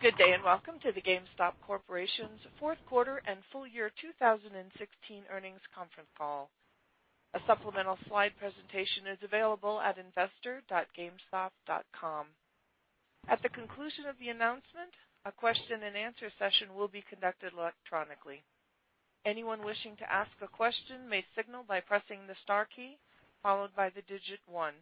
Good day, and welcome to the GameStop Corporation's fourth quarter and full year 2016 earnings conference call. A supplemental slide presentation is available at investor.gamestop.com. At the conclusion of the announcement, a question and answer session will be conducted electronically. Anyone wishing to ask a question may signal by pressing the star key, followed by the digit 1.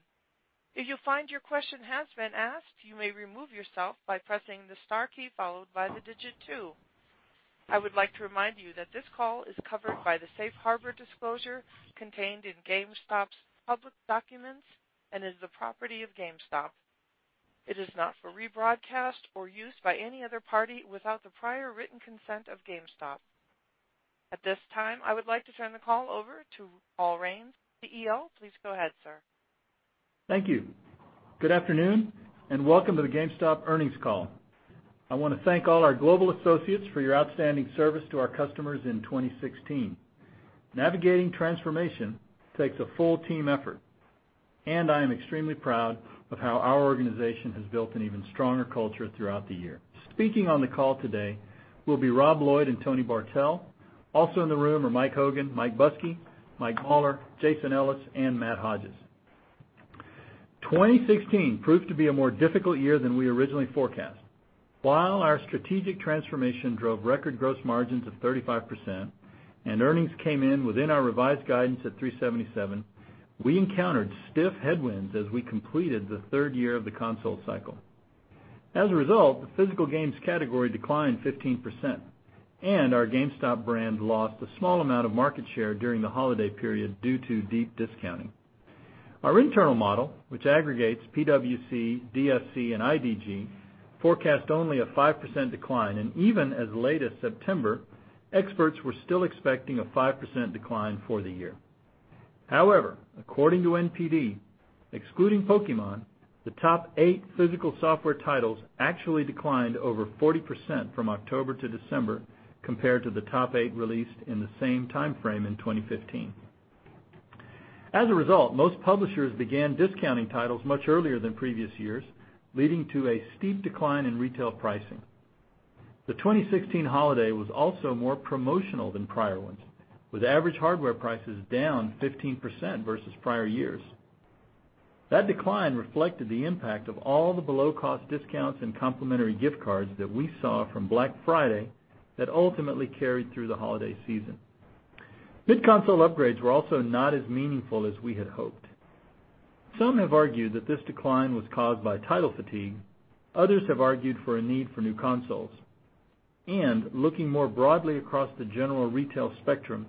If you find your question has been asked, you may remove yourself by pressing the star key followed by the digit 2. I would like to remind you that this call is covered by the safe harbor disclosure contained in GameStop's public documents and is the property of GameStop. It is not for rebroadcast or use by any other party without the prior written consent of GameStop. At this time, I would like to turn the call over to Paul Raines, CEO. Please go ahead, sir. Thank you. Good afternoon, and welcome to the GameStop earnings call. I want to thank all our global associates for your outstanding service to our customers in 2016. Navigating transformation takes a full team effort, I am extremely proud of how our organization has built an even stronger culture throughout the year. Speaking on the call today will be Rob Lloyd and Tony Bartel. Also in the room are Mike Hogan, Mike Buskey, Mike Mauler, Jason Ellis, and Matt Hodges. 2016 proved to be a more difficult year than we originally forecast. While our strategic transformation drove record gross margins of 35%, earnings came in within our revised guidance at 377, we encountered stiff headwinds as we completed the third year of the console cycle. As a result, the physical games category declined 15%. Our GameStop brand lost a small amount of market share during the holiday period due to deep discounting. Our internal model, which aggregates PwC, DFC, and IDG, forecast only a 5% decline, and even as late as September, experts were still expecting a 5% decline for the year. According to NPD, excluding Pokémon, the top eight physical software titles actually declined over 40% from October to December compared to the top eight released in the same timeframe in 2015. As a result, most publishers began discounting titles much earlier than previous years, leading to a steep decline in retail pricing. The 2016 holiday was also more promotional than prior ones, with average hardware prices down 15% versus prior years. That decline reflected the impact of all the below-cost discounts and complimentary gift cards that we saw from Black Friday that ultimately carried through the holiday season. Mid-console upgrades were also not as meaningful as we had hoped. Some have argued that this decline was caused by title fatigue. Others have argued for a need for new consoles. Looking more broadly across the general retail spectrum,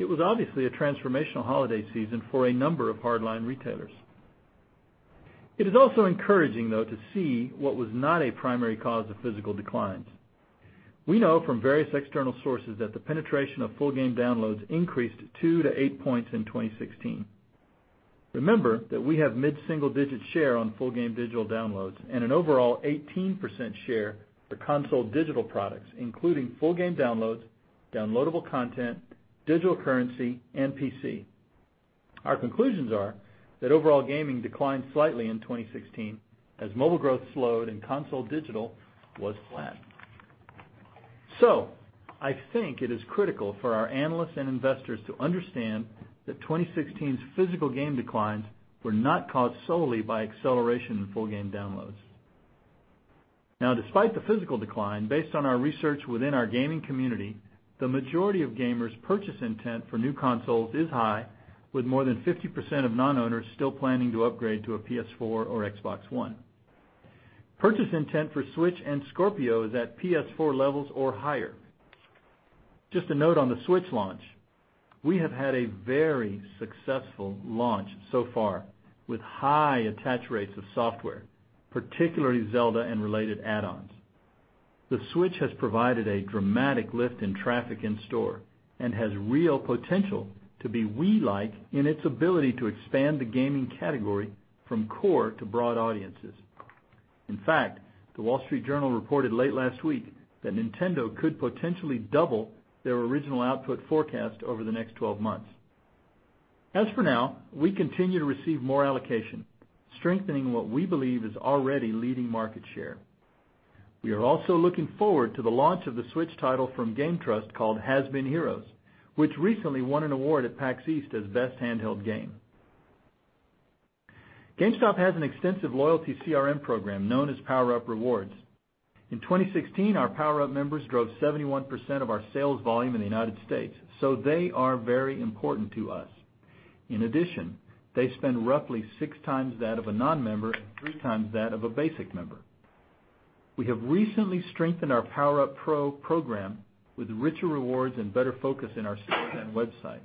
it was obviously a transformational holiday season for a number of hardline retailers. It is also encouraging, though, to see what was not a primary cause of physical declines. We know from various external sources that the penetration of full game downloads increased two to eight points in 2016. Remember that we have mid-single-digit share on full game digital downloads and an overall 18% share for console digital products, including full game downloads, downloadable content, digital currency, and PC. Our conclusions are that overall gaming declined slightly in 2016 as mobile growth slowed and console digital was flat. I think it is critical for our analysts and investors to understand that 2016's physical game declines were not caused solely by acceleration in full game downloads. Despite the physical decline, based on our research within our gaming community, the majority of gamers' purchase intent for new consoles is high, with more than 50% of non-owners still planning to upgrade to a PS4 or Xbox One. Purchase intent for Switch and Project Scorpio is at PS4 levels or higher. Just a note on the Switch launch. We have had a very successful launch so far with high attach rates of software, particularly Zelda and related add-ons. The Switch has provided a dramatic lift in traffic in store and has real potential to be Wii-like in its ability to expand the gaming category from core to broad audiences. In fact, The Wall Street Journal reported late last week that Nintendo could potentially double their original output forecast over the next 12 months. As for now, we continue to receive more allocation, strengthening what we believe is already leading market share. We are also looking forward to the launch of the Switch title from GameTrust called Has-Been Heroes, which recently won an award at PAX East as Best Handheld Game. GameStop has an extensive loyalty CRM program known as PowerUp Rewards. In 2016, our PowerUp members drove 71% of our sales volume in the U.S., they are very important to us. In addition, they spend roughly six times that of a non-member and three times that of a basic member. We have recently strengthened our PowerUp Pro program with richer rewards and better focus in our system and website.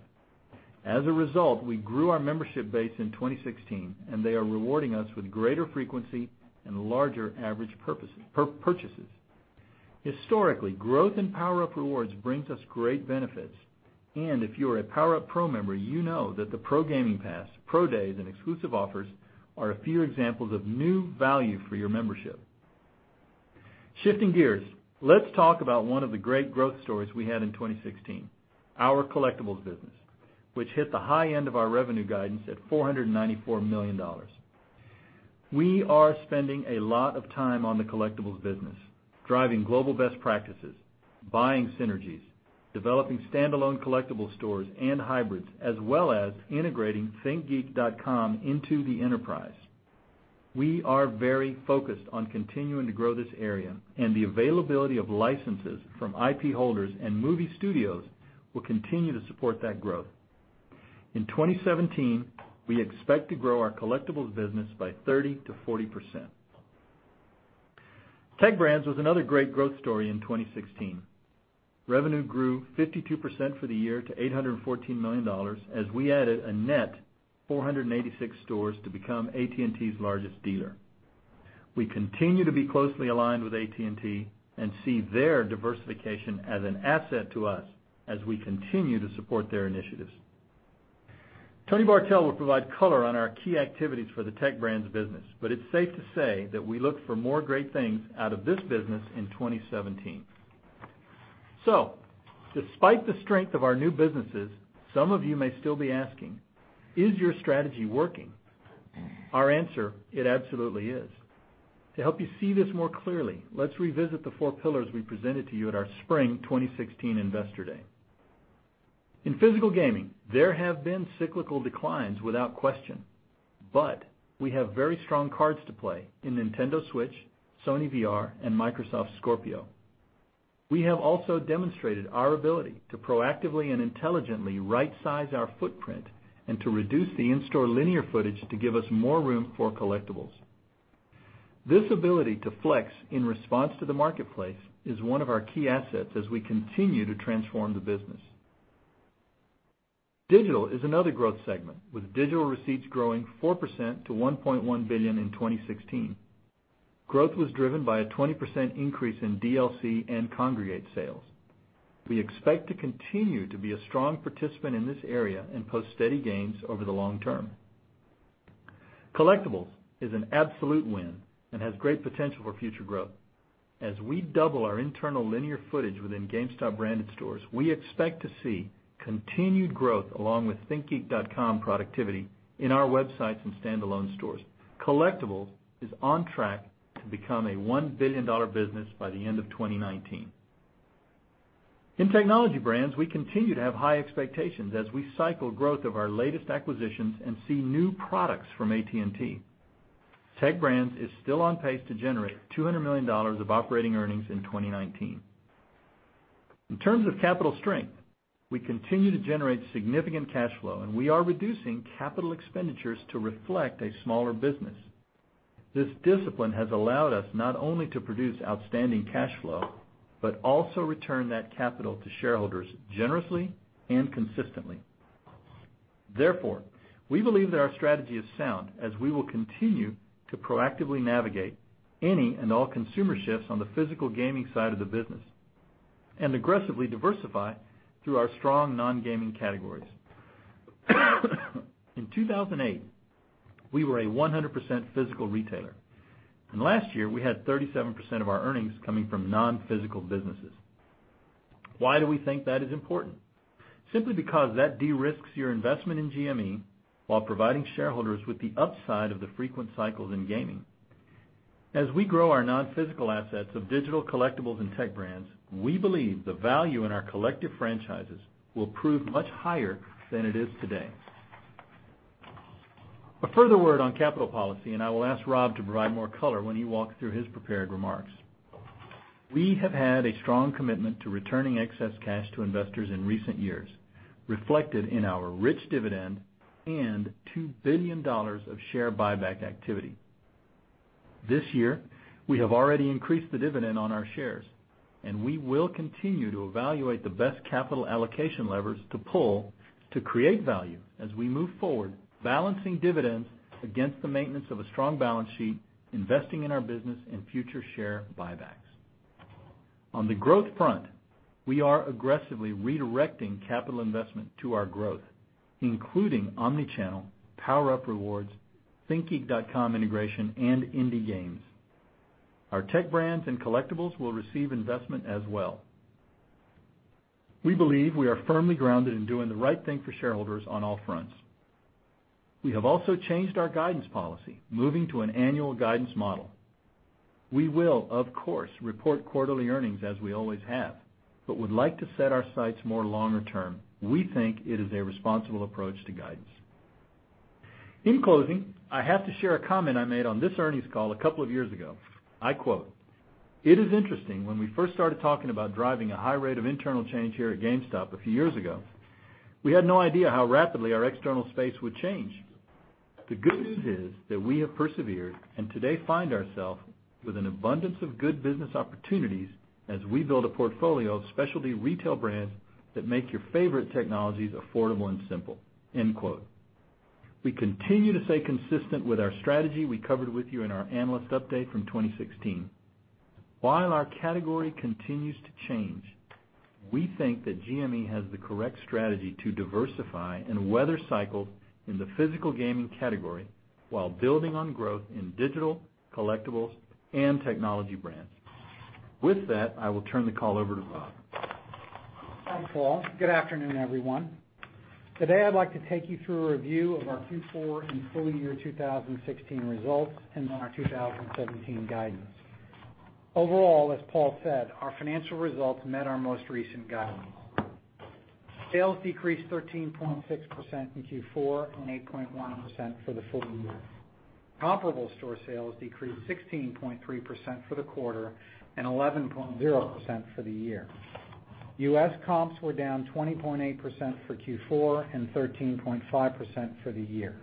As a result, we grew our membership base in 2016, they are rewarding us with greater frequency and larger average purchases. Historically, growth in PowerUp Rewards brings us great benefits, if you're a PowerUp Pro member, you know that the Pro Gaming Pass, Pro Days, and exclusive offers are a few examples of new value for your membership. Shifting gears, let's talk about one of the great growth stories we had in 2016, our collectibles business which hit the high end of our revenue guidance at $494 million. We are spending a lot of time on the collectibles business, driving global best practices, buying synergies, developing standalone collectible stores and hybrids, as well as integrating thinkgeek.com into the enterprise. We are very focused on continuing to grow this area, the availability of licenses from IP holders and movie studios will continue to support that growth. In 2017, we expect to grow our collectibles business by 30%-40%. Tech Brands was another great growth story in 2016. Revenue grew 52% for the year to $814 million as we added a net 486 stores to become AT&T's largest dealer. We continue to be closely aligned with AT&T and see their diversification as an asset to us as we continue to support their initiatives. Tony Bartel will provide color on our key activities for the Tech Brands business, but it's safe to say that we look for more great things out of this business in 2017. Despite the strength of our new businesses, some of you may still be asking, "Is your strategy working?" Our answer, it absolutely is. To help you see this more clearly, let's revisit the four pillars we presented to you at our spring 2016 investor day. In physical gaming, there have been cyclical declines without question, but we have very strong cards to play in Nintendo Switch, Sony VR, and Microsoft Scorpio. We have also demonstrated our ability to proactively and intelligently right-size our footprint and to reduce the in-store linear footage to give us more room for collectibles. This ability to flex in response to the marketplace is one of our key assets as we continue to transform the business. Digital is another growth segment, with digital receipts growing 4% to $1.1 billion in 2016. Growth was driven by a 20% increase in DLC and Kongregate sales. We expect to continue to be a strong participant in this area and post steady gains over the long term. Collectibles is an absolute win and has great potential for future growth. As we double our internal linear footage within GameStop-branded stores, we expect to see continued growth along with thinkgeek.com productivity in our websites and standalone stores. Collectibles is on track to become a $1 billion business by the end of 2019. In Tech Brands, we continue to have high expectations as we cycle growth of our latest acquisitions and see new products from AT&T. Tech Brands is still on pace to generate $200 million of operating earnings in 2019. In terms of capital strength, we continue to generate significant cash flow. We are reducing capital expenditures to reflect a smaller business. This discipline has allowed us not only to produce outstanding cash flow, but also return that capital to shareholders generously and consistently. We believe that our strategy is sound, as we will continue to proactively navigate any and all consumer shifts on the physical gaming side of the business and aggressively diversify through our strong non-gaming categories. In 2008, we were a 100% physical retailer. Last year, we had 37% of our earnings coming from non-physical businesses. Why do we think that is important? Simply because that de-risks your investment in GME while providing shareholders with the upside of the frequent cycles in gaming. As we grow our non-physical assets of digital collectibles and Tech Brands, we believe the value in our collective franchises will prove much higher than it is today. A further word on capital policy. I will ask Rob to provide more color when he walks through his prepared remarks. We have had a strong commitment to returning excess cash to investors in recent years, reflected in our rich dividend and $2 billion of share buyback activity. This year, we have already increased the dividend on our shares. We will continue to evaluate the best capital allocation levers to pull to create value as we move forward, balancing dividends against the maintenance of a strong balance sheet, investing in our business and future share buybacks. On the growth front, we are aggressively redirecting capital investment to our growth, including omni-channel, PowerUp Rewards, thinkgeek.com integration, and indie games. Our Tech Brands and collectibles will receive investment as well. We believe we are firmly grounded in doing the right thing for shareholders on all fronts. We have also changed our guidance policy, moving to an annual guidance model. We will, of course, report quarterly earnings as we always have, but would like to set our sights more longer term. We think it is a responsible approach to guidance. In closing, I have to share a comment I made on this earnings call a couple of years ago. I quote, "It is interesting, when we first started talking about driving a high rate of internal change here at GameStop a few years ago, we had no idea how rapidly our external space would change. The good news is that we have persevered and today find ourselves with an abundance of good business opportunities as we build a portfolio of specialty retail brands that make your favorite technologies affordable and simple." End quote. We continue to stay consistent with our strategy we covered with you in our analyst update from 2016. While our category continues to change, we think that GME has the correct strategy to diversify and weather cycles in the physical gaming category while building on growth in digital, collectibles, and Technology Brands. With that, I will turn the call over to Rob. Thanks, Paul. Good afternoon, everyone. Today, I'd like to take you through a review of our Q4 and full year 2016 results and on our 2017 guidance. Overall, as Paul said, our financial results met our most recent guidance. Sales decreased 13.6% in Q4 and 8.1% for the full year. Comparable store sales decreased 16.3% for the quarter and 11.0% for the year. U.S. comps were down 20.8% for Q4 and 13.5% for the year.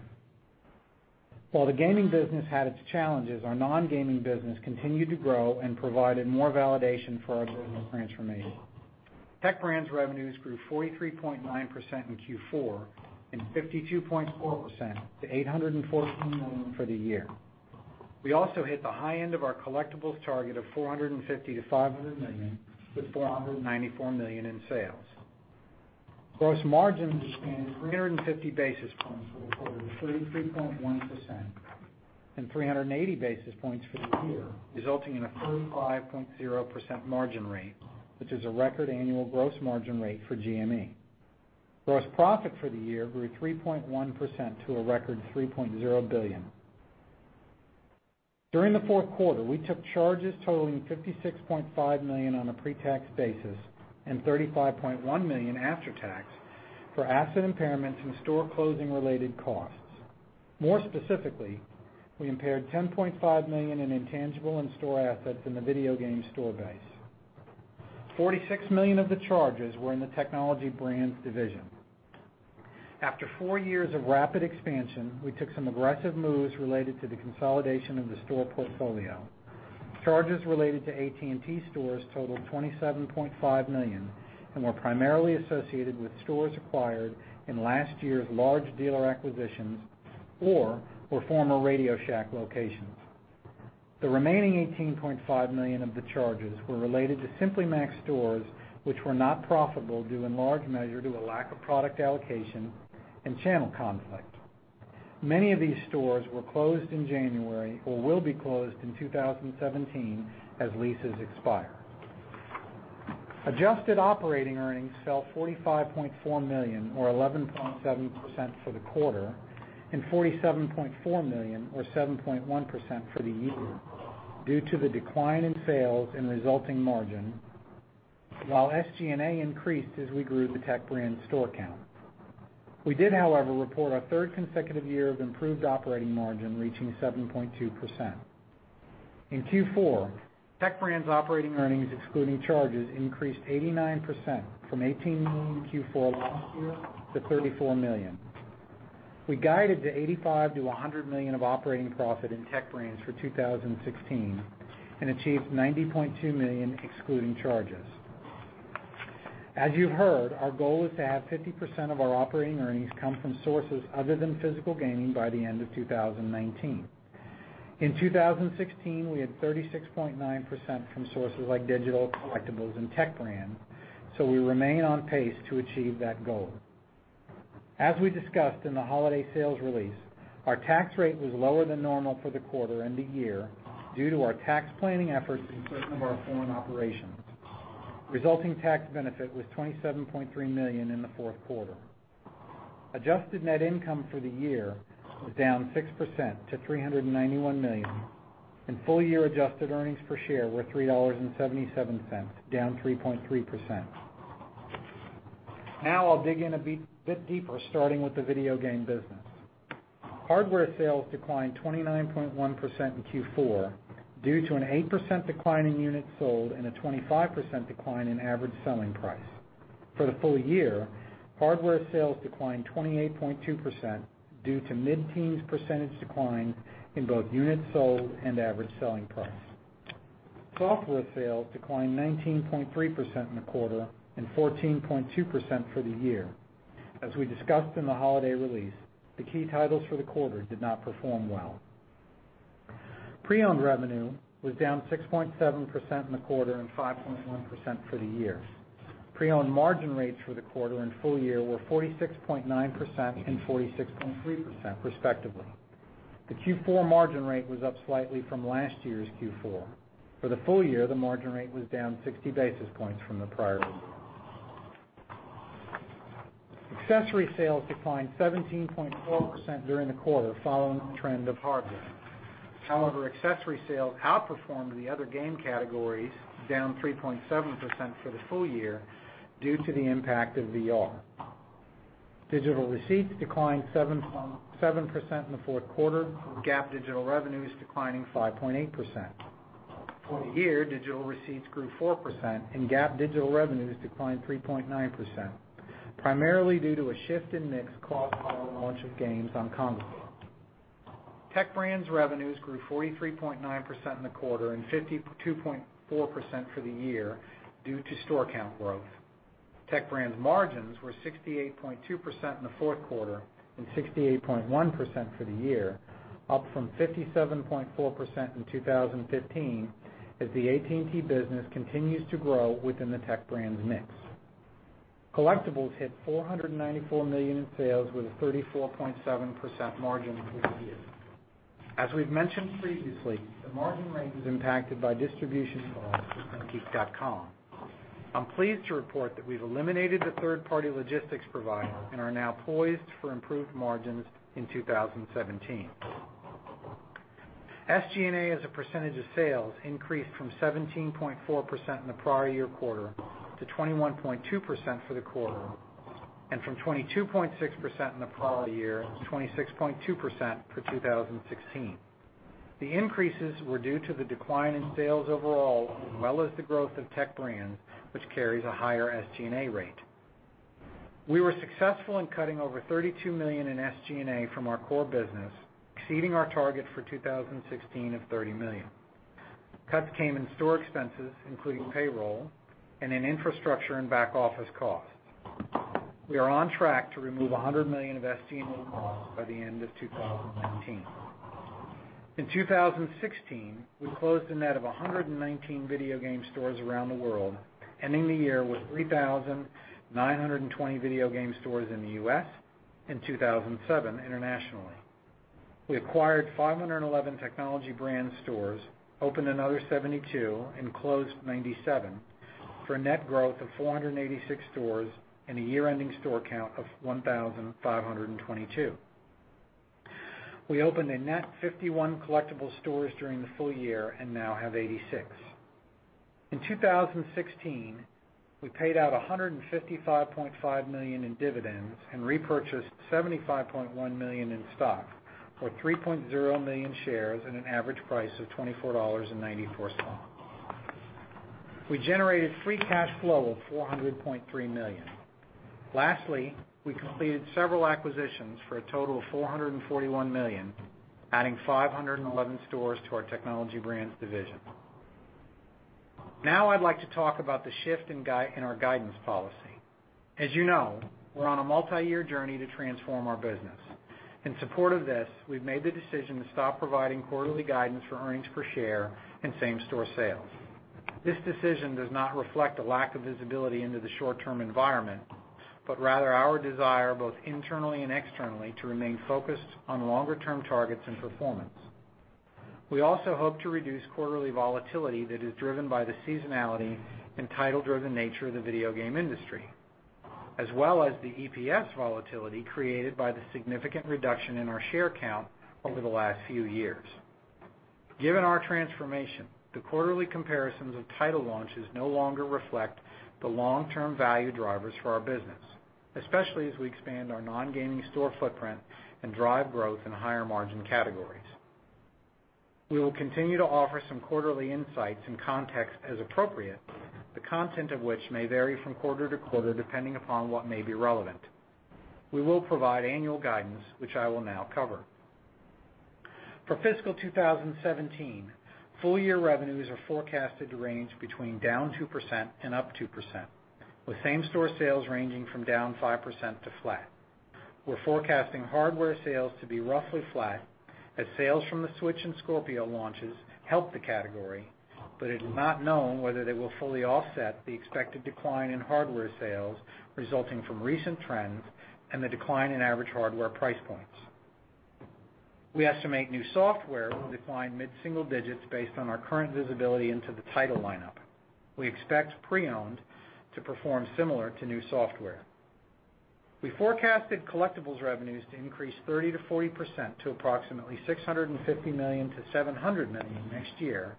While the gaming business had its challenges, our non-gaming business continued to grow and provided more validation for our business transformation. Tech Brands revenues grew 43.9% in Q4 and 52.4% to $814 million for the year. We also hit the high end of our collectibles target of $450 million-$500 million with $494 million in sales. Gross margins expanded 350 basis points for the quarter to 33.1% and 380 basis points for the year, resulting in a 35.0% margin rate, which is a record annual gross margin rate for GME. Gross profit for the year grew 3.1% to a record $3.0 billion. During the fourth quarter, we took charges totaling $56.5 million on a pre-tax basis and $35.1 million after tax for asset impairments and store closing related costs. More specifically, we impaired $10.5 million in intangible and store assets in the video game store base. $46 million of the charges were in the Technology Brands division. After four years of rapid expansion, we took some aggressive moves related to the consolidation of the store portfolio. Charges related to AT&T stores totaled $27.5 million and were primarily associated with stores acquired in last year's large dealer acquisitions or former RadioShack locations. The remaining $18.5 million of the charges were related to Simply Mac stores, which were not profitable due in large measure to a lack of product allocation and channel conflict. Many of these stores were closed in January or will be closed in 2017 as leases expire. Adjusted operating earnings fell $45.4 million or 11.7% for the quarter and $47.4 million or 7.1% for the year due to the decline in sales and resulting margin, while SG&A increased as we grew the Tech Brands store count. We did, however, report our third consecutive year of improved operating margin, reaching 7.2%. In Q4, Tech Brands operating earnings excluding charges increased 89% from $18 million Q4 last year to $34 million. We guided to $85 million-$100 million of operating profit in Tech Brands for 2016 and achieved $90.2 million excluding charges. As you've heard, our goal is to have 50% of our operating earnings come from sources other than physical gaming by the end of 2019. In 2016, we had 36.9% from sources like digital, collectibles, and Tech Brands, so we remain on pace to achieve that goal. As we discussed in the holiday sales release, our tax rate was lower than normal for the quarter and the year due to our tax planning efforts and certain of our foreign operations. Resulting tax benefit was $27.3 million in the fourth quarter. Adjusted net income for the year was down 6% to $391 million and full-year adjusted earnings per share were $3.77, down 3.3%. Now I'll dig in a bit deeper, starting with the video game business. Hardware sales declined 29.1% in Q4 due to an 8% decline in units sold and a 25% decline in average selling price. For the full year, hardware sales declined 28.2% due to mid-teens percentage decline in both units sold and average selling price. Software sales declined 19.3% in the quarter and 14.2% for the year. As we discussed in the holiday release, the key titles for the quarter did not perform well. Pre-owned revenue was down 6.7% in the quarter and 5.1% for the year. Pre-owned margin rates for the quarter and full year were 46.9% and 46.3% respectively. The Q4 margin rate was up slightly from last year's Q4. For the full year, the margin rate was down 60 basis points from the prior year. Accessory sales declined 17.4% during the quarter, following the trend of hardware. However, accessory sales outperformed the other game categories, down 3.7% for the full year due to the impact of VR. Digital receipts declined 7% in the fourth quarter, with GAAP digital revenues declining 5.8%. For the year, digital receipts grew 4% and GAAP digital revenues declined 3.9%, primarily due to a shift in mix caused by the launch of games on consoles. Tech Brands revenues grew 43.9% in the quarter and 52.4% for the year due to store count growth. Tech Brands margins were 68.2% in the fourth quarter and 68.1% for the year, up from 57.4% in 2015 as the AT&T business continues to grow within the Tech Brands mix. Collectibles hit $494 million in sales with a 34.7% margin for the year. As we've mentioned previously, the margin rate was impacted by distribution costs from thinkgeek.com. I'm pleased to report that we've eliminated the third-party logistics provider and are now poised for improved margins in 2017. SG&A as a percentage of sales increased from 17.4% in the prior year quarter to 21.2% for the quarter, and from 22.6% in the prior year to 26.2% for 2016. The increases were due to the decline in sales overall, as well as the growth of Tech Brands, which carries a higher SG&A rate. We were successful in cutting over $32 million in SG&A from our core business, exceeding our target for 2016 of $30 million. Cuts came in store expenses, including payroll, and in infrastructure and back office costs. We are on track to remove $100 million of SG&A costs by the end of 2019. In 2016, we closed a net of 119 video game stores around the world, ending the year with 3,920 video game stores in the U.S. and 2,007 internationally. We acquired 511 Technology Brands stores, opened another 72 and closed 97, for a net growth of 486 stores and a year-ending store count of 1,522. We opened a net 51 Collectibles stores during the full year and now have 86. In 2016, we paid out $155.5 million in dividends and repurchased $75.1 million in stock, or 3.0 million shares at an average price of $24.94. We generated free cash flow of $400.3 million. Lastly, we completed several acquisitions for a total of $441 million, adding 511 stores to our Technology Brands division. I'd like to talk about the shift in our guidance policy. As you know, we're on a multi-year journey to transform our business. In support of this, we've made the decision to stop providing quarterly guidance for earnings per share and same-store sales. This decision does not reflect a lack of visibility into the short-term environment, rather our desire, both internally and externally, to remain focused on longer-term targets and performance. We also hope to reduce quarterly volatility that is driven by the seasonality and title-driven nature of the video game industry, as well as the EPS volatility created by the significant reduction in our share count over the last few years. Given our transformation, the quarterly comparisons of title launches no longer reflect the long-term value drivers for our business, especially as we expand our non-gaming store footprint and drive growth in higher-margin categories. We will continue to offer some quarterly insights and context as appropriate, the content of which may vary from quarter to quarter, depending upon what may be relevant. We will provide annual guidance, which I will now cover. For fiscal 2017, full-year revenues are forecasted to range between down 2% and up 2%, with same-store sales ranging from down 5% to flat. We're forecasting hardware sales to be roughly flat as sales from the Nintendo Switch and Project Scorpio launches help the category, it is not known whether they will fully offset the expected decline in hardware sales resulting from recent trends and the decline in average hardware price points. We estimate new software will decline mid-single digits based on our current visibility into the title lineup. We expect pre-owned to perform similar to new software. We forecasted Collectibles revenues to increase 30%-40% to approximately $650 million to $700 million next year,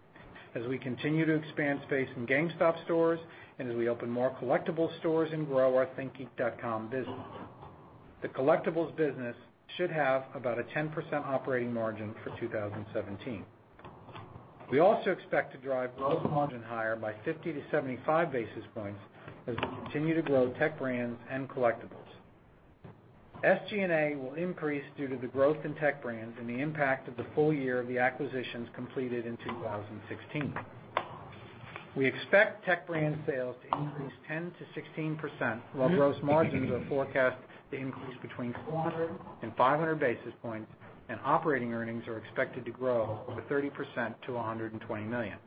as we continue to expand space in GameStop stores and as we open more Collectibles stores and grow our thinkgeek.com business. The Collectibles business should have about a 10% operating margin for 2017. We also expect to drive gross margin higher by 50 to 75 basis points as we continue to grow Tech Brands and Collectibles. SG&A will increase due to the growth in Tech Brands and the impact of the full year of the acquisitions completed in 2016. We expect Tech Brands sales to increase 10%-16%, while gross margins are forecast to increase between 400 and 500 basis points, and operating earnings are expected to grow over 30% to $120 million.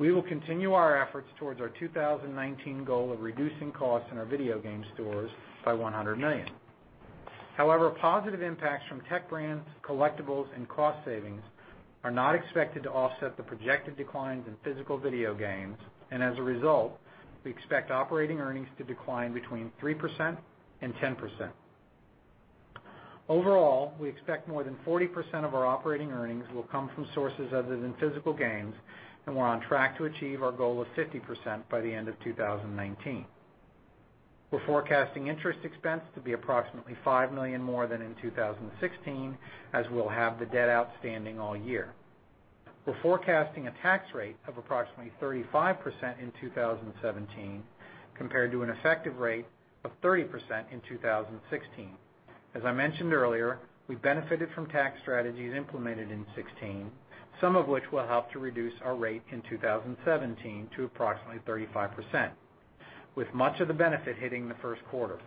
We will continue our efforts towards our 2019 goal of reducing costs in our video game stores by $100 million. However, positive impacts from Tech Brands, Collectibles, and cost savings are not expected to offset the projected declines in physical video games, and as a result, we expect operating earnings to decline between 3% and 10%. Overall, we expect more than 40% of our operating earnings will come from sources other than physical games, we're on track to achieve our goal of 50% by the end of 2019. We're forecasting interest expense to be approximately $5 million more than in 2016, as we'll have the debt outstanding all year. We're forecasting a tax rate of approximately 35% in 2017, compared to an effective rate of 30% in 2016. As I mentioned earlier, we benefited from tax strategies implemented in 2016, some of which will help to reduce our rate in 2017 to approximately 35%, with much of the benefit hitting the first quarter.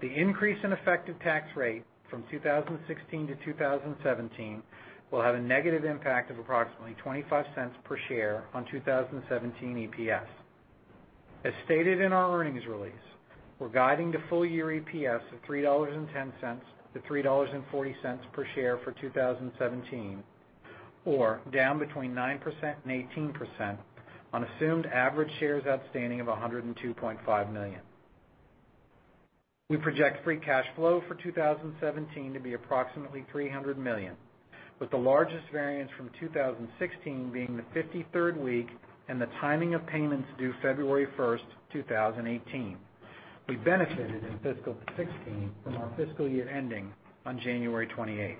The increase in effective tax rate from 2016 to 2017 will have a negative impact of approximately $0.25 per share on 2017 EPS. As stated in our earnings release, we're guiding the full year EPS of $3.10-$3.40 per share for 2017, or down between 9% and 18% on assumed average shares outstanding of 102.5 million. We project free cash flow for 2017 to be approximately $300 million, with the largest variance from 2016 being the 53rd week and the timing of payments due February 1st, 2018. We benefited in fiscal 2016 from our fiscal year ending on January 28th.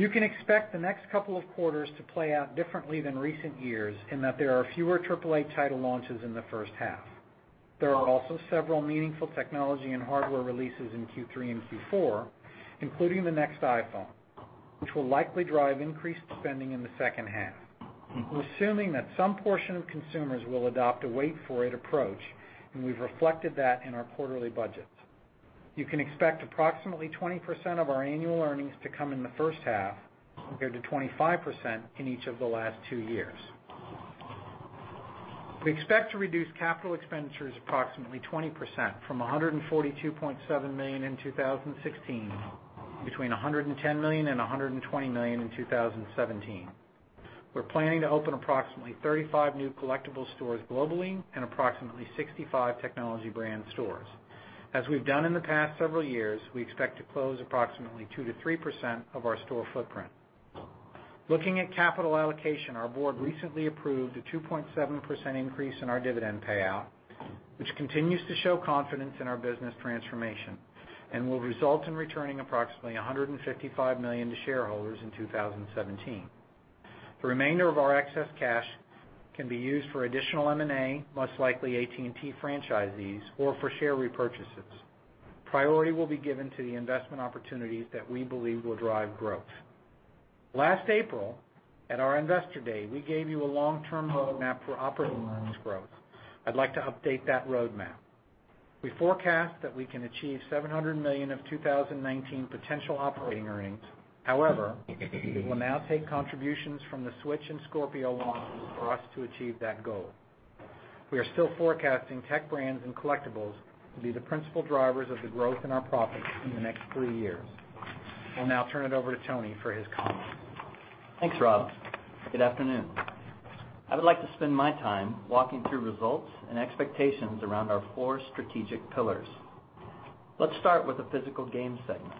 You can expect the next couple of quarters to play out differently than recent years in that there are fewer AAA title launches in the first half. There are also several meaningful technology and hardware releases in Q3 and Q4, including the next iPhone, which will likely drive increased spending in the second half. We're assuming that some portion of consumers will adopt a wait-for-it approach, we've reflected that in our quarterly budgets. You can expect approximately 20% of our annual earnings to come in the first half compared to 25% in each of the last two years. We expect to reduce capital expenditures approximately 20%, from $142.7 million in 2016, between $110 million and $120 million in 2017. We're planning to open approximately 35 new Collectibles stores globally and approximately 65 Technology Brands stores. As we've done in the past several years, we expect to close approximately 2%-3% of our store footprint. Looking at capital allocation, our board recently approved a 2.7% increase in our dividend payout, which continues to show confidence in our business transformation, will result in returning approximately $155 million to shareholders in 2017. The remainder of our excess cash can be used for additional M&A, most likely AT&T franchisees, or for share repurchases. Priority will be given to the investment opportunities that we believe will drive growth. Last April, at our investor day, we gave you a long-term roadmap for operating earnings growth. I'd like to update that roadmap. We forecast that we can achieve $700 million of 2019 potential operating earnings. However, it will now take contributions from the Switch and Scorpio launches for us to achieve that goal. We are still forecasting Tech Brands and Collectibles to be the principal drivers of the growth in our profits in the next three years. I'll now turn it over to Tony for his comments. Thanks, Rob. Good afternoon. I would like to spend my time walking through results and expectations around our four strategic pillars. Let's start with the Physical Games segment.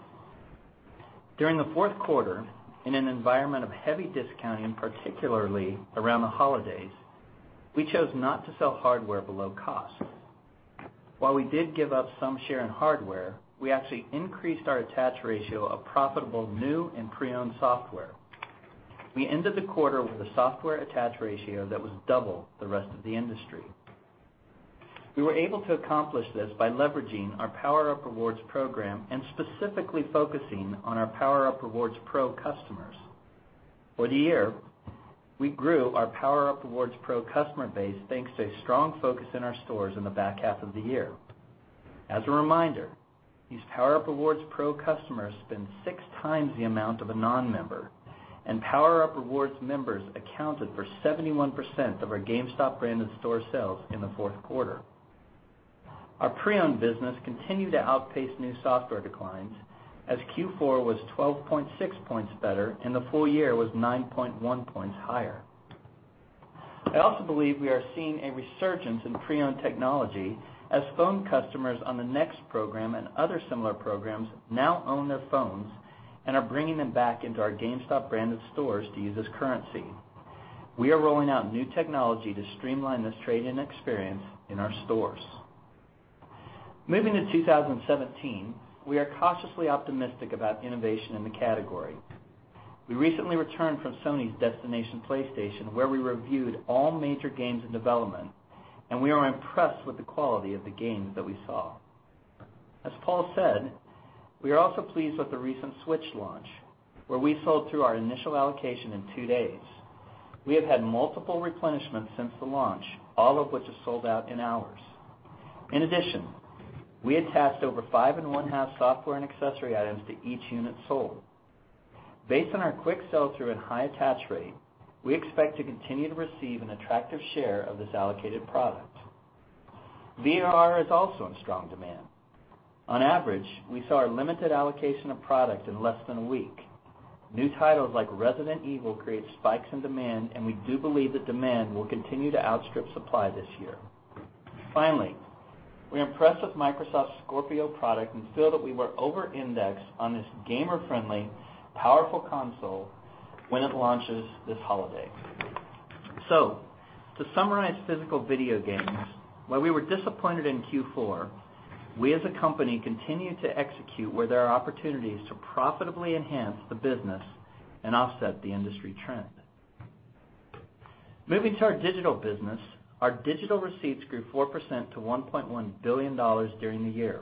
During the fourth quarter, in an environment of heavy discounting, and particularly around the holidays, we chose not to sell hardware below cost. While we did give up some share in hardware, we actually increased our attach ratio of profitable new and pre-owned software. We ended the quarter with a software attach ratio that was double the rest of the industry. We were able to accomplish this by leveraging our PowerUp Rewards program and specifically focusing on our PowerUp Rewards Pro customers. For the year, we grew our PowerUp Rewards Pro customer base thanks to a strong focus in our stores in the back half of the year. As a reminder, these PowerUp Rewards Pro customers spend six times the amount of a non-member, and PowerUp Rewards members accounted for 71% of our GameStop branded store sales in the fourth quarter. Our pre-owned business continued to outpace new software declines, as Q4 was 12.6 points better and the full year was 9.1 points higher. I also believe we are seeing a resurgence in pre-owned technology as phone customers on the Next program and other similar programs now own their phones and are bringing them back into our GameStop branded stores to use as currency. We are rolling out new technology to streamline this trade-in experience in our stores. Moving to 2017, we are cautiously optimistic about the innovation in the category. We recently returned from Sony's Destination PlayStation, where we reviewed all major games in development, and we are impressed with the quality of the games that we saw. As Paul said, we are also pleased with the recent Switch launch, where we sold through our initial allocation in two days. We have had multiple replenishments since the launch, all of which have sold out in hours. In addition, we attached over five and one-half software and accessory items to each unit sold. Based on our quick sell-through and high attach rate, we expect to continue to receive an attractive share of this allocated product. VR is also in strong demand. On average, we sold our limited allocation of product in less than a week. New titles like Resident Evil create spikes in demand, and we do believe that demand will continue to outstrip supply this year. We are impressed with Microsoft’s Project Scorpio and feel that we were over indexed on this gamer-friendly, powerful console when it launches this holiday. To summarize physical video games, while we were disappointed in Q4, we as a company continue to execute where there are opportunities to profitably enhance the business and offset the industry trend. Moving to our digital business, our digital receipts grew 4% to $1.1 billion during the year.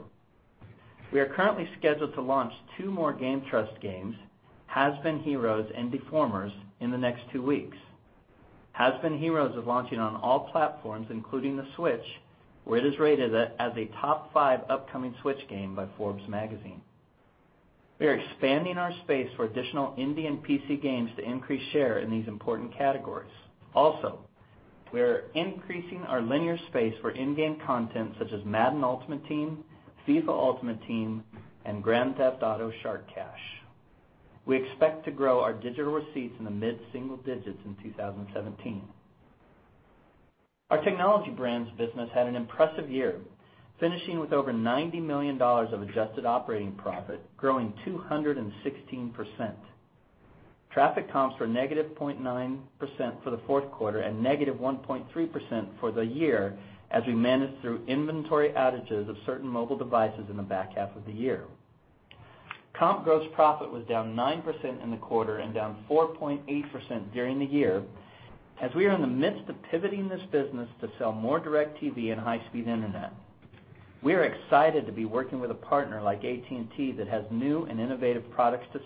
We are currently scheduled to launch two more GameTrust games, Has-Been Heroes and Deformers, in the next two weeks. Has-Been Heroes is launching on all platforms, including the Switch, where it is rated as a top five upcoming Switch game by Forbes magazine. We are expanding our space for additional indie and PC games to increase share in these important categories. We are increasing our linear space for in-game content such as Madden Ultimate Team, FIFA Ultimate Team, and Grand Theft Auto Shark Cards. We expect to grow our digital receipts in the mid-single digits in 2017. Our Tech Brands business had an impressive year, finishing with over $90 million of adjusted operating profit, growing 216%. Traffic comps were negative 0.9% for the fourth quarter and negative 1.3% for the year, as we managed through inventory outages of certain mobile devices in the back half of the year. Comp gross profit was down 9% in the quarter and down 4.8% during the year, as we are in the midst of pivoting this business to sell more DirecTV and high-speed internet. We are excited to be working with a partner like AT&T that has new and innovative products to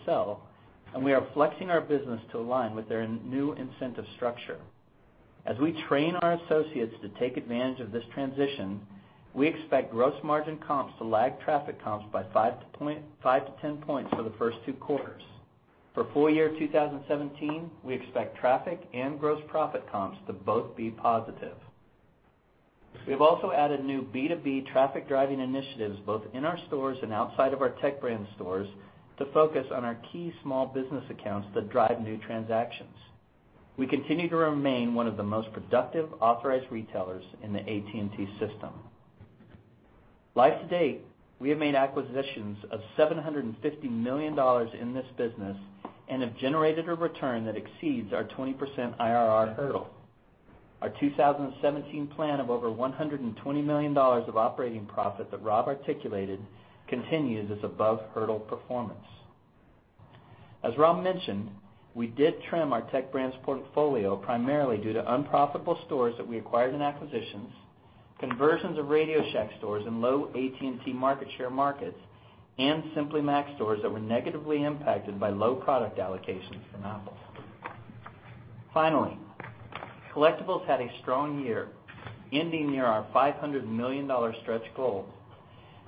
sell, and we are flexing our business to align with their new incentive structure. As we train our associates to take advantage of this transition, we expect gross margin comps to lag traffic comps by five to 10 points for the first two quarters. For full year 2017, we expect traffic and gross profit comps to both be positive. We have added new B2B traffic-driving initiatives, both in our stores and outside of our Tech Brands stores, to focus on our key small business accounts that drive new transactions. We continue to remain one of the most productive authorized retailers in the AT&T system. Live to date, we have made acquisitions of $750 million in this business and have generated a return that exceeds our 20% IRR hurdle. Our 2017 plan of over $120 million of operating profit that Rob articulated continues this above-hurdle performance. As Rob mentioned, we did trim our Tech Brands portfolio primarily due to unprofitable stores that we acquired in acquisitions, conversions of RadioShack stores in low AT&T market share markets, and Simply Mac stores that were negatively impacted by low product allocations from Apple. Collectibles had a strong year, ending near our $500 million stretch goal.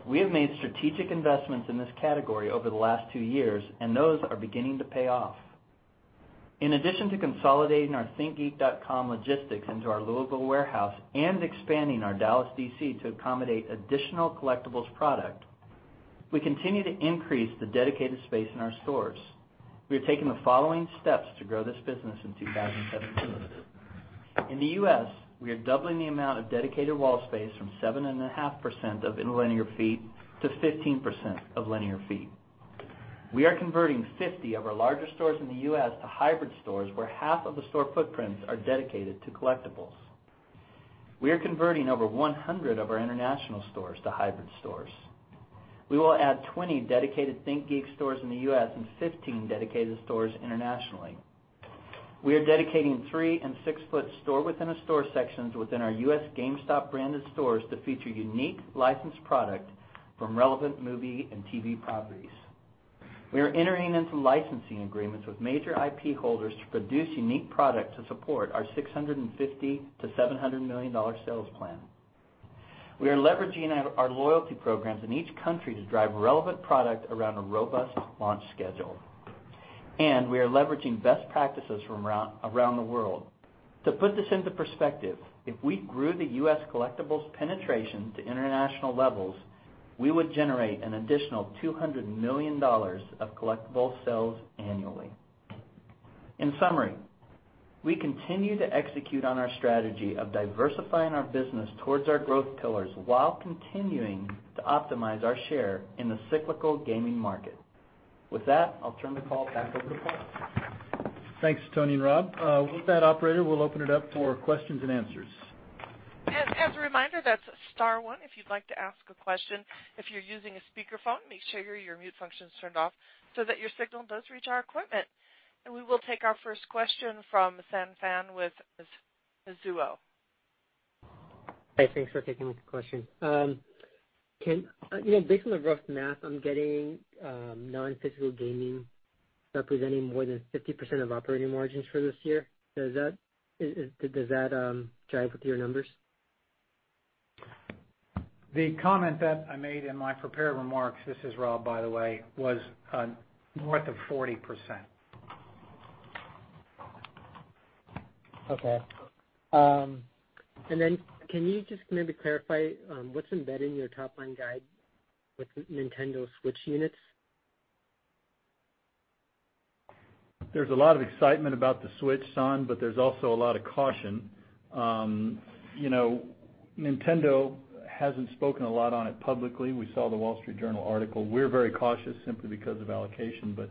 We have made strategic investments in this category over the last two years, and those are beginning to pay off. In addition to consolidating our thinkgeek.com logistics into our Louisville warehouse and expanding our Dallas DC to accommodate additional Collectibles product, we continue to increase the dedicated space in our stores. We have taken the following steps to grow this business in 2017. In the U.S., we are doubling the amount of dedicated wall space from 7.5% of linear feet to 15% of linear feet. We are converting 50 of our larger stores in the U.S. to hybrid stores, where half of the store footprints are dedicated to Collectibles. We are converting over 100 of our international stores to hybrid stores. We will add 20 dedicated ThinkGeek stores in the U.S. and 15 dedicated stores internationally. We are dedicating three and six-foot store within a store sections within our U.S. GameStop-branded stores to feature unique licensed product from relevant movie and TV properties. We are entering into licensing agreements with major IP holders to produce unique product to support our $650 million to $700 million sales plan. We are leveraging our loyalty programs in each country to drive relevant product around a robust launch schedule. We are leveraging best practices from around the world. To put this into perspective, if we grew the U.S. Collectibles penetration to international levels, we would generate an additional $200 million of Collectibles sales annually. In summary, we continue to execute on our strategy of diversifying our business towards our growth pillars while continuing to optimize our share in the cyclical gaming market. With that, I'll turn the call back over to Paul. Thanks, Tony and Rob. With that operator, we'll open it up for questions and answers. As a reminder, that's star one if you'd like to ask a question. If you're using a speakerphone, make sure your mute function's turned off so that your signal does reach our equipment. We will take our first question from San Phan with Mizuho. Hey, thanks for taking the question. Based on the rough math, I'm getting non-physical gaming representing more than 50% of operating margins for this year. Does that jive with your numbers? The comment that I made in my prepared remarks, this is Rob, by the way, was north of 40%. Okay. Can you just maybe clarify what's embedded in your top-line guide with Nintendo Switch units? There's a lot of excitement about the Switch, San, but there's also a lot of caution. Nintendo hasn't spoken a lot on it publicly. We saw The Wall Street Journal article. We're very cautious simply because of allocation. Do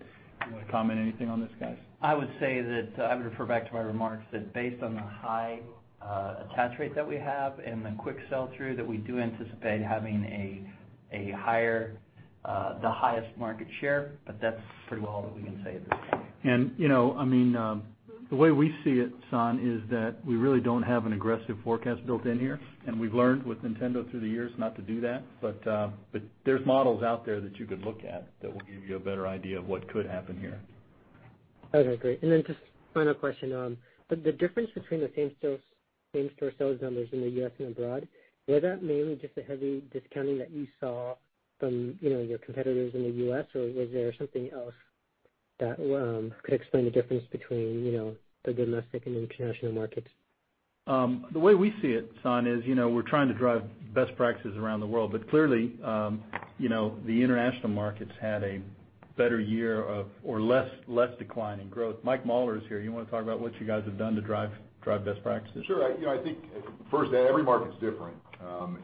you want to comment anything on this, guys? I would say that I would refer back to my remarks that based on the high attach rate that we have and the quick sell-through, that we do anticipate having the highest market share, but that's pretty well all that we can say at this point. The way we see it, San, is that we really don't have an aggressive forecast built in here, and we've learned with Nintendo through the years not to do that. There's models out there that you could look at that will give you a better idea of what could happen here. Okay, great. Just final question. The difference between the same-store sales numbers in the U.S. and abroad, was that mainly just the heavy discounting that you saw from your competitors in the U.S., or was there something else that could explain the difference between the domestic and international markets? The way we see it, San, is we're trying to drive best practices around the world, clearly the international markets had a better year of or less decline in growth. Mike Mauler is here. You want to talk about what you guys have done to drive best practices? Sure. I think first, every market's different.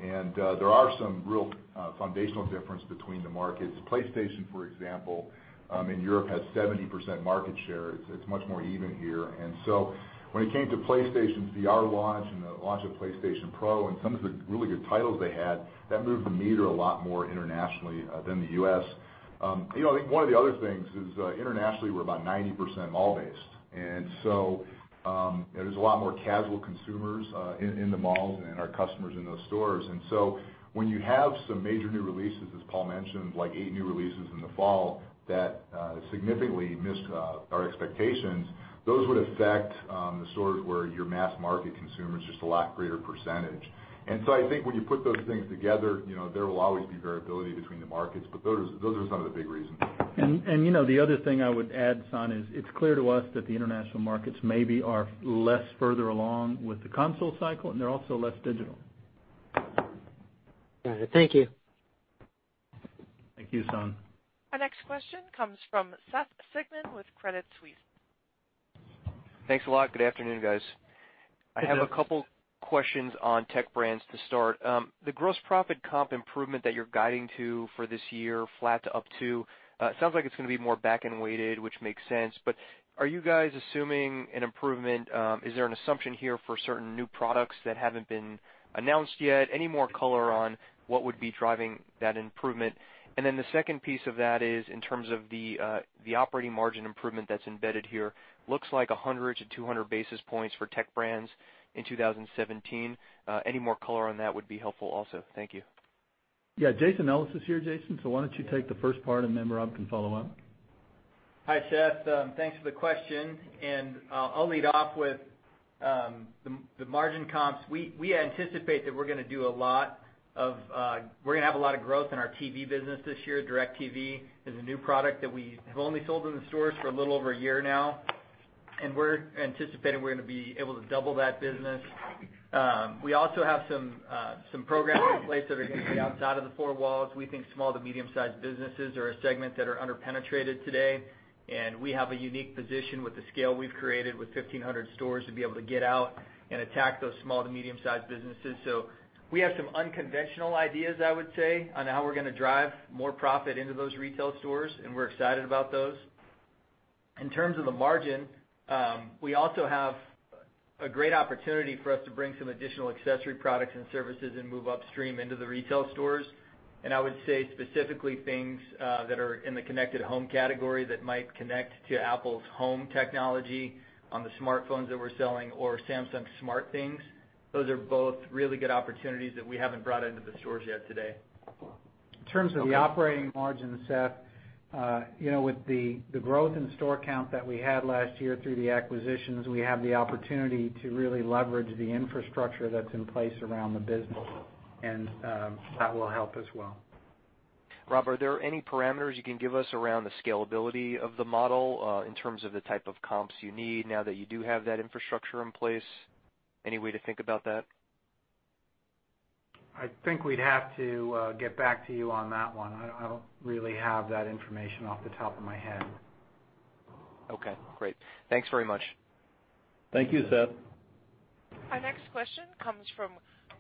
There are some real foundational difference between the markets. PlayStation, for example, in Europe, has 70% market share. It's much more even here. When it came to PlayStation VR launch and the launch of PlayStation Pro and some of the really good titles they had, that moved the meter a lot more internationally than the U.S. I think one of the other things is, internationally, we're about 90% mall-based, there's a lot more casual consumers in the malls and our customers in those stores. When you have some major new releases, as Paul mentioned, like eight new releases in the fall, that significantly missed our expectations, those would affect the stores where your mass-market consumer is just a lot greater percentage. I think when you put those things together, there will always be variability between the markets. Those are some of the big reasons. The other thing I would add, San, is it's clear to us that the international markets maybe are less further along with the console cycle, and they're also less digital. Got it. Thank you. Thank you, San. Our next question comes from Seth Sigman with Credit Suisse. Thanks a lot. Good afternoon, guys. Good afternoon. I have a couple questions on Tech Brands to start. The gross profit comp improvement that you're guiding to for this year, flat to up to, it sounds like it's going to be more back-ended, which makes sense, but are you guys assuming an improvement? Is there an assumption here for certain new products that haven't been announced yet? Any more color on what would be driving that improvement? The second piece of that is, in terms of the operating margin improvement that's embedded here, looks like 100 to 200 basis points for Tech Brands in 2017. Any more color on that would be helpful also. Thank you. Yeah. Jason Ellis is here. Jason, why don't you take the first part, and then Rob can follow up. Hi, Seth. Thanks for the question, I'll lead off with the margin comps. We anticipate that we're going to have a lot of growth in our TV business this year. DirecTV is a new product that we have only sold in the stores for a little over a year now, and we're anticipating we're going to be able to double that business. We also have some programs in place that are going to be outside of the four walls. We think small to medium-sized businesses are a segment that are under-penetrated today, and we have a unique position with the scale we've created with 1,500 stores to be able to get out and attack those small to medium-sized businesses. We have some unconventional ideas, I would say, on how we're going to drive more profit into those retail stores, and we're excited about those. In terms of the margin, we also have a great opportunity for us to bring some additional accessory products and services and move upstream into the retail stores. I would say specifically things that are in the connected home category that might connect to Apple's home technology on the smartphones that we're selling or Samsung SmartThings. Those are both really good opportunities that we haven't brought into the stores yet today. In terms of the operating margin, Seth, with the growth in store count that we had last year through the acquisitions, we have the opportunity to really leverage the infrastructure that's in place around the business. That will help as well. Rob, are there any parameters you can give us around the scalability of the model in terms of the type of comps you need now that you do have that infrastructure in place? Any way to think about that? I think we'd have to get back to you on that one. I don't really have that information off the top of my head. Okay, great. Thanks very much. Thank you, Seth. Our next question comes from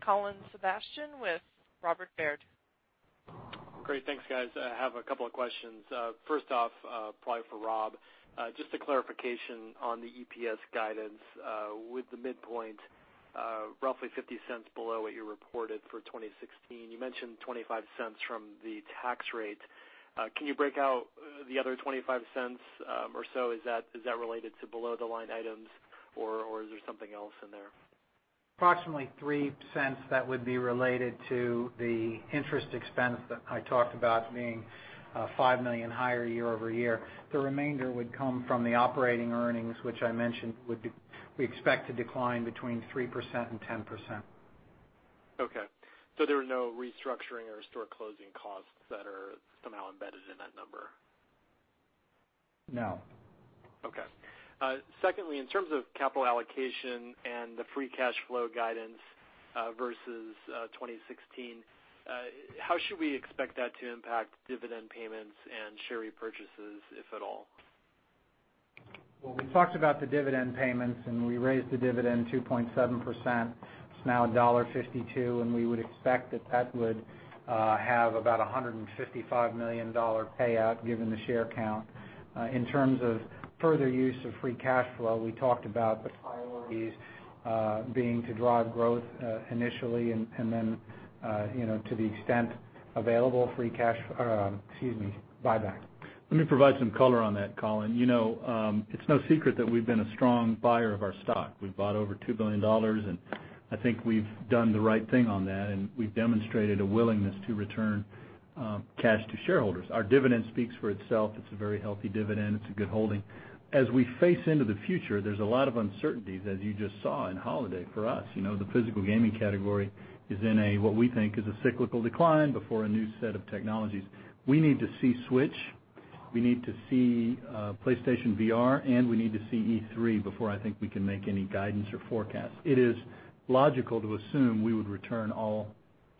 Colin Sebastian with Robert W. Baird. Great. Thanks, guys. I have a couple of questions. First off, probably for Rob, just a clarification on the EPS guidance. With the midpoint roughly $0.50 below what you reported for 2016, you mentioned $0.25 from the tax rate. Can you break out the other $0.25 or so? Is that related to below-the-line items, or is there something else in there? Approximately $0.03 that would be related to the interest expense that I talked about being $5 million higher year-over-year. The remainder would come from the operating earnings, which I mentioned we expect to decline between 3%-10%. Okay. There are no restructuring or store closing costs that are somehow embedded in that number? No. Okay. Secondly, in terms of capital allocation and the free cash flow guidance versus 2016, how should we expect that to impact dividend payments and share repurchases, if at all? Well, we talked about the dividend payments, and we raised the dividend 2.7%. It's now $1.52, and we would expect that that would have about $155 million payout given the share count. In terms of further use of free cash flow, we talked about the priorities being to drive growth initially and then, to the extent available free cash, excuse me, buyback. Let me provide some color on that, Colin. It's no secret that we've been a strong buyer of our stock. We've bought over $2 billion, and I think we've done the right thing on that, and we've demonstrated a willingness to return cash to shareholders. Our dividend speaks for itself. It's a very healthy dividend. It's a good holding. As we face into the future, there's a lot of uncertainties, as you just saw in holiday, for us. The physical gaming category is in a, what we think is a cyclical decline before a new set of technologies. We need to see Switch, we need to see PlayStation VR, and we need to see E3 before I think we can make any guidance or forecast. It is logical to assume we would return all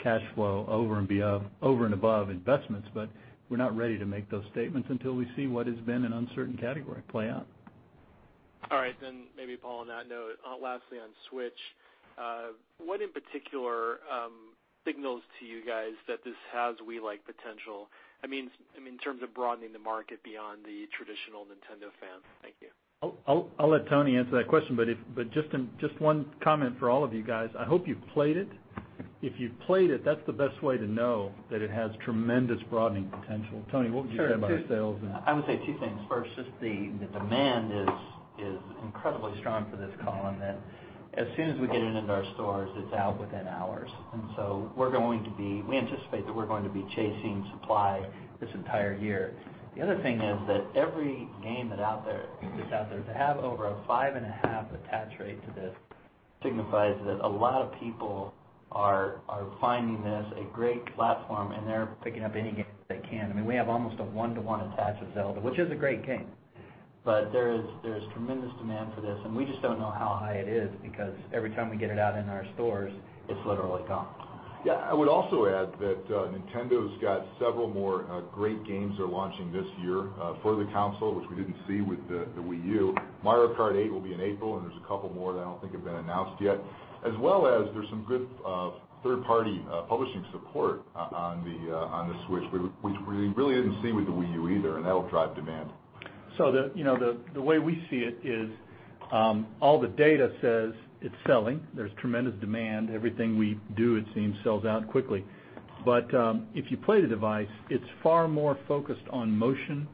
cash flow over and above investments, but we're not ready to make those statements until we see what has been an uncertain category play out. All right, maybe, Paul, on that note, lastly, on Switch, what in particular signals to you guys that this has Wii-like potential? I mean, in terms of broadening the market beyond the traditional Nintendo fans. Thank you. I'll let Tony answer that question. Just one comment for all of you guys. I hope you've played it. If you've played it, that's the best way to know that it has tremendous broadening potential. Tony, what would you say about sales and- Sure. I would say two things. First, just the demand is incredibly strong for this, Colin, that as soon as we get it into our stores, it's out within hours. We anticipate that we're going to be chasing supply this entire year. The other thing is that every game that is out there, to have over a five and a half attach rate to this signifies that a lot of people are finding this a great platform, and they're picking up any games they can. We have almost a one-to-one attach with Zelda, which is a great game. There is tremendous demand for this, and we just don't know how high it is because every time we get it out in our stores, it's literally gone. I would also add that Nintendo's got several more great games that are launching this year for the console, which we didn't see with the Wii U. Mario Kart 8 will be in April. There's a couple more that I don't think have been announced yet. As well as there's some good third-party publishing support on the Switch, which we really didn't see with the Wii U either. That'll drive demand. The way we see it is all the data says it's selling. There's tremendous demand. Everything we do, it seems, sells out quickly. If you play the device, it's far more focused on motion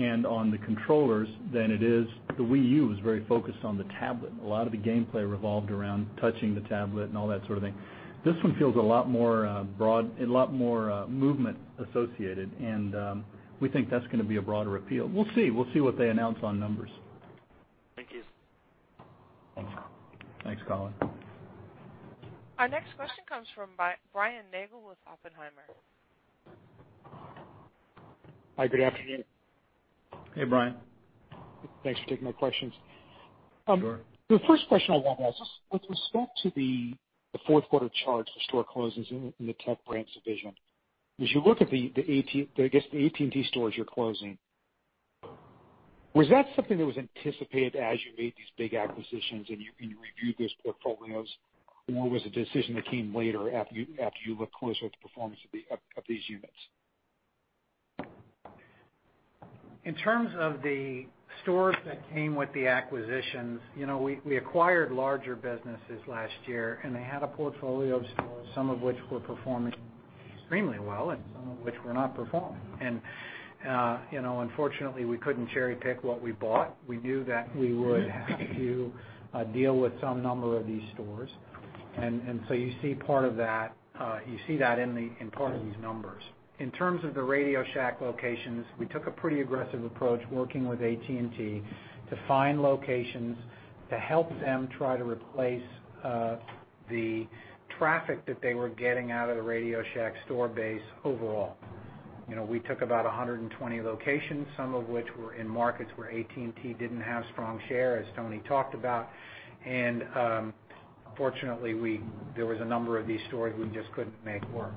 and on the controllers than it is. The Wii U is very focused on the tablet. A lot of the gameplay revolved around touching the tablet and all that sort of thing. This one feels a lot more broad, a lot more movement associated, and we think that's going to be a broader appeal. We'll see. We'll see what they announce on numbers. Thank you. Thanks, Colin. Our next question comes from Brian Nagel with Oppenheimer. Hi, good afternoon. Hey, Brian. Thanks for taking my questions. Sure. The first question I want to ask, with respect to the fourth quarter charge for store closings in the Tech Brands division, as you look at the, I guess, the AT&T stores you're closing, was that something that was anticipated as you made these big acquisitions and you reviewed those portfolios, or was it a decision that came later after you looked closer at the performance of these units? In terms of the stores that came with the acquisitions, we acquired larger businesses last year, they had a portfolio of stores, some of which were performing extremely well and some of which were not performing. Unfortunately, we couldn't cherry-pick what we bought. We knew that we would have to deal with some number of these stores. So you see part of that in part of these numbers. In terms of the RadioShack locations, we took a pretty aggressive approach working with AT&T to find locations to help them try to replace the traffic that they were getting out of the RadioShack store base overall. We took about 120 locations, some of which were in markets where AT&T didn't have strong share, as Tony talked about. Unfortunately, there was a number of these stores we just couldn't make work.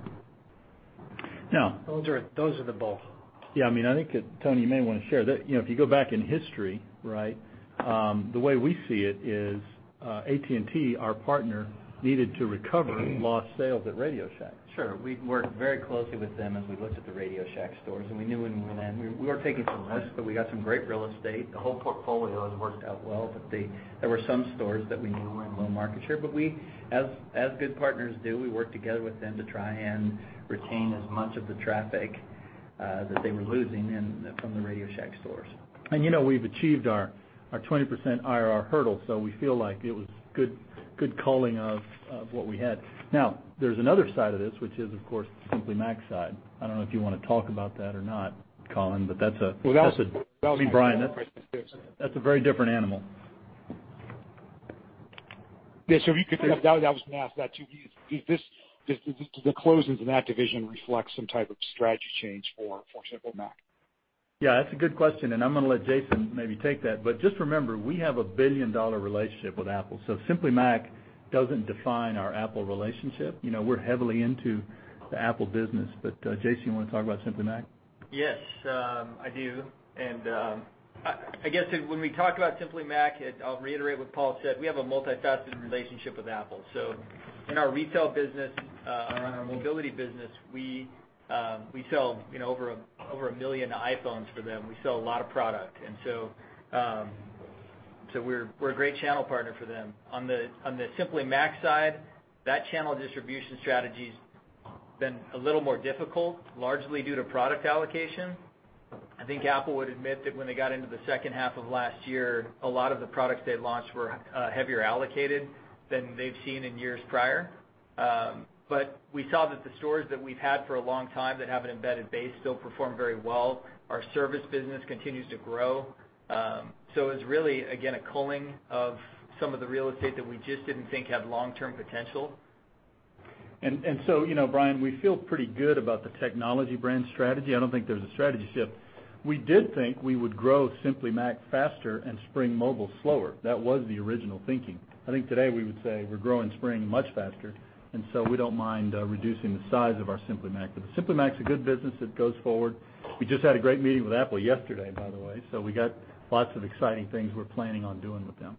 Now- Those are the bulk. Yeah, I think that Tony, you may want to share. If you go back in history, the way we see it is AT&T, our partner, needed to recover lost sales at RadioShack. Sure. We worked very closely with them as we looked at the RadioShack stores, and we knew when we went in, we were taking some risks, but we got some great real estate. The whole portfolio has worked out well. There were some stores that we knew were in low market share, but as good partners do, we worked together with them to try and retain as much of the traffic that they were losing from the RadioShack stores. We've achieved our 20% IRR hurdle. We feel like it was good culling of what we had. There's another side of this, which is, of course, the Simply Mac side. I don't know if you want to talk about that or not, Colin, but that's a. Well, that was. Brian, that's a very different animal. Yeah, I was going to ask that, too. Do the closings in that division reflect some type of strategy change for Simply Mac? Yeah, that's a good question, and I'm going to let Jason maybe take that. Just remember, we have a billion-dollar relationship with Apple. Simply Mac doesn't define our Apple relationship. We're heavily into the Apple business. Jason, you want to talk about Simply Mac? Yes, I do. I guess when we talk about Simply Mac, I'll reiterate what Paul said. We have a multifaceted relationship with Apple. In our retail business, our mobility business, we sell over 1 million iPhones for them. We sell a lot of product. We're a great channel partner for them. On the Simply Mac side, that channel distribution strategy's been a little more difficult, largely due to product allocation. I think Apple would admit that when they got into the second half of last year, a lot of the products they launched were heavier allocated than they've seen in years prior. We saw that the stores that we've had for a long time that have an embedded base still perform very well. Our service business continues to grow. It's really, again, a culling of some of the real estate that we just didn't think had long-term potential. Brian, we feel pretty good about the technology brand strategy. I don't think there's a strategy shift. We did think we would grow Simply Mac faster and Spring Mobile slower. That was the original thinking. I think today we would say we're growing Spring much faster. We don't mind reducing the size of our Simply Mac. Simply Mac's a good business. It goes forward. We just had a great meeting with Apple yesterday, by the way. We got lots of exciting things we're planning on doing with them.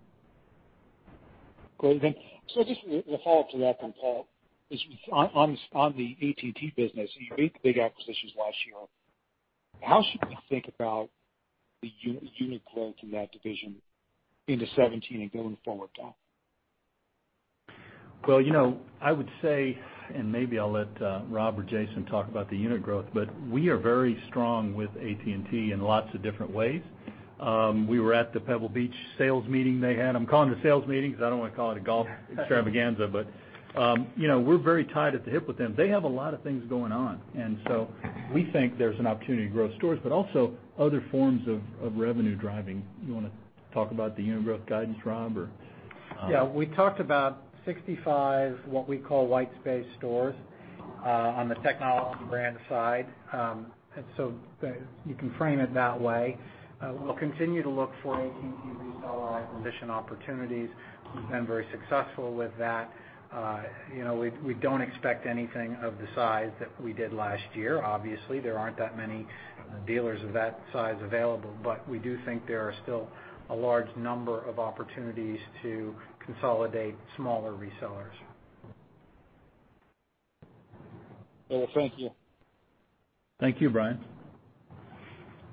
Great. Thanks. Just a follow-up to that, Paul, on the AT&T business, you made the big acquisitions last year. How should we think about the unit growth in that division into 2017 and going forward now? I would say, maybe I'll let Rob or Jason talk about the unit growth, we are very strong with AT&T in lots of different ways. We were at the Pebble Beach sales meeting they had. I'm calling it a sales meeting because I don't want to call it a golf extravaganza, we're very tied at the hip with them. They have a lot of things going on, we think there's an opportunity to grow stores, also other forms of revenue driving. You want to talk about the unit growth guidance, Rob, or? We talked about 65, what we call white space stores, on the Tech Brands side. You can frame it that way. We'll continue to look for AT&T reseller acquisition opportunities. We've been very successful with that. We don't expect anything of the size that we did last year. Obviously, there aren't that many dealers of that size available, we do think there are still a large number of opportunities to consolidate smaller resellers. Thank you. Thank you, Brian.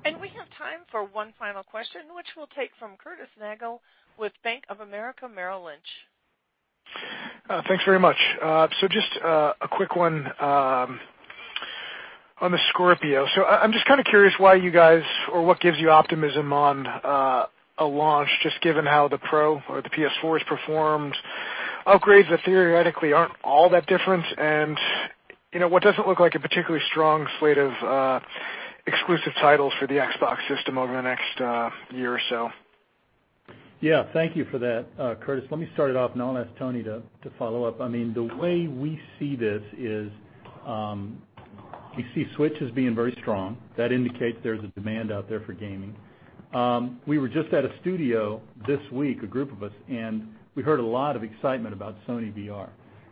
We have time for one final question, which we'll take from Curtis Nagle with Bank of America Merrill Lynch. Thanks very much. Just a quick one on the Scorpio. I'm just kind of curious why you guys, or what gives you optimism on a launch, just given how the Pro or the PS4 has performed, upgrades that theoretically aren't all that different and what doesn't look like a particularly strong slate of exclusive titles for the Xbox system over the next year or so. Yeah, thank you for that, Curtis. Let me start it off, and then I'll ask Tony to follow up. The way we see this is, we see Switch as being very strong. That indicates there's a demand out there for gaming. We were just at a studio this week, a group of us, and we heard a lot of excitement about Sony VR.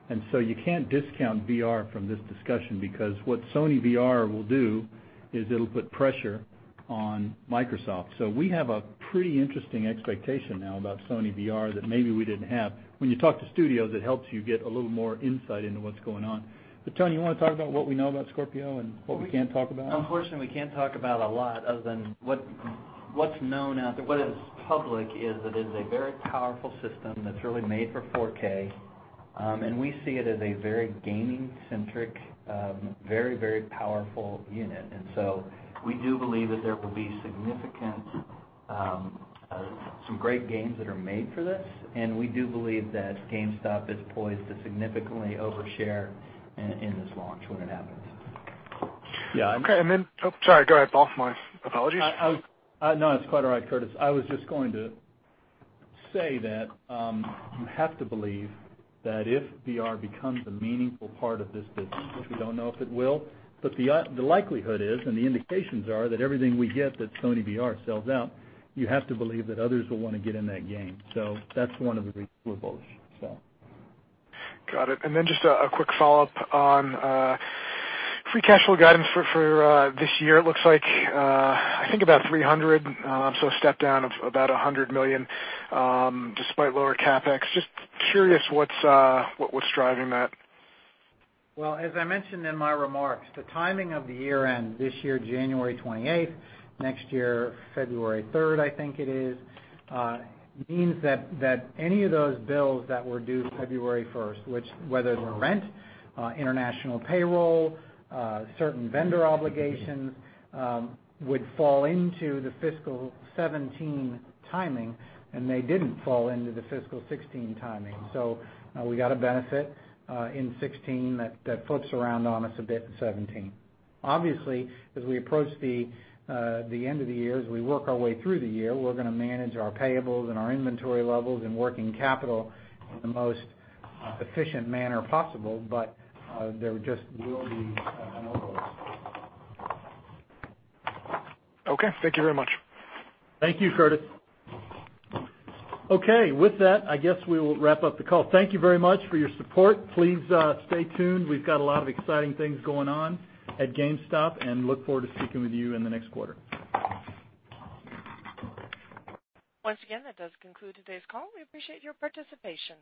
You can't discount VR from this discussion because what Sony VR will do is it'll put pressure on Microsoft. We have a pretty interesting expectation now about Sony VR that maybe we didn't have. When you talk to studios, it helps you get a little more insight into what's going on. Tony, you want to talk about what we know about Scorpio and what we can't talk about? Unfortunately, we can't talk about a lot other than what's known out there. What is public is that it is a very powerful system that's really made for 4K. We see it as a very gaming-centric, very powerful unit. We do believe that there will be some great games that are made for this, and we do believe that GameStop is poised to significantly overshare in this launch when it happens. Yeah, I'm- Okay, sorry, go ahead. Boss, my apologies. No, it's quite all right, Curtis. I was just going to say that you have to believe that if VR becomes a meaningful part of this business, which we don't know if it will, but the likelihood is, and the indications are, that everything we get that Sony VR sells out, you have to believe that others will want to get in that game. That's one of the reasons we're bullish, so. Got it. Then just a quick follow-up on free cash flow guidance for this year. It looks like, I think about $300 million, so a step down of about $100 million, despite lower CapEx. Just curious what's driving that? Well, as I mentioned in my remarks, the timing of the year-end, this year, January 28th, next year, February 3rd, I think it is, means that any of those bills that were due February 1st, which whether it was rent, international payroll, certain vendor obligations, would fall into the fiscal 2017 timing, and they didn't fall into the fiscal 2016 timing. We got a benefit in 2016 that flips around on us a bit in 2017. Obviously, as we approach the end of the year, as we work our way through the year, we're going to manage our payables and our inventory levels and working capital in the most efficient manner possible, but there just will be an overlap. Okay. Thank you very much. Thank you, Curtis. Okay, with that, I guess we will wrap up the call. Thank you very much for your support. Please stay tuned. We've got a lot of exciting things going on at GameStop and look forward to speaking with you in the next quarter. Once again, that does conclude today's call. We appreciate your participation.